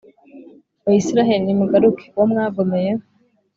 Bayisraheli, nimugarukire Uwo mwagomeye!